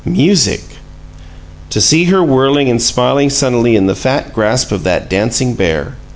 Music! To see her whirling and smiling sunnily in the fat grasp of that dancing bear!